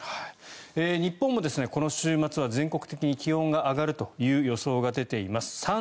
日本もこの週末は全国的に気温が上がるという予想が出ています。